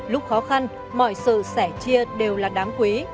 lúc khó khăn mọi sự sẻ chia đều là đáng quý